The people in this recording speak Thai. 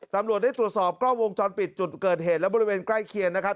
ตำรวจได้ตรวจสอบกล้องวงจรปิดจุดเกิดเหตุและบริเวณใกล้เคียงนะครับ